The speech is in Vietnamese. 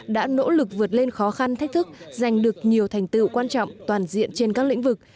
đã nỗ lực vượt lên khó khăn thách thức giành được nhiều thành tựu quan trọng toàn diện trên các lĩnh vực